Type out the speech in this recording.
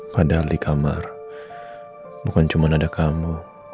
padahal di kamar bukan cuma ada kamu